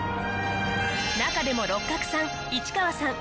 中でも六角さん市川さん